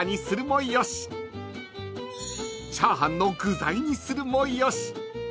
［チャーハンの具材にするもよし］